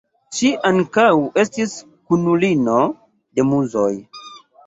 Ŝi ankaŭ estis kunulino de Muzoj.